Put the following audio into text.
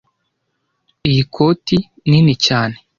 Iyi koti nini cyane